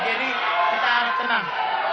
jadi kita harap tenang